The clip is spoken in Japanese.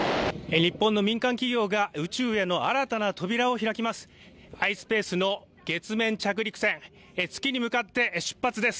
日本の民間企業が宇宙への新たな扉を開きます。